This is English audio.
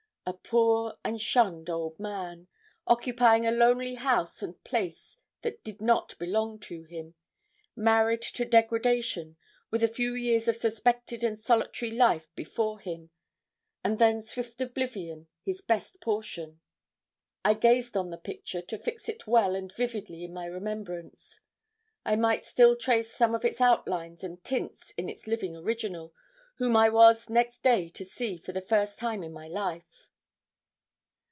A poor and shunned old man, occupying a lonely house and place that did not belong to him, married to degradation, with a few years of suspected and solitary life before him, and then swift oblivion his best portion. I gazed on the picture, to fix it well and vividly in my remembrance. I might still trace some of its outlines and tints in its living original, whom I was next day to see for the first time in my life.